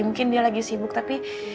mungkin dia lagi sibuk tapi